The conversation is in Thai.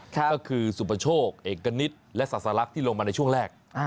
ก็คือสุปโชคเอกณิตและศาสลักษณ์ที่ลงมาในช่วงแรก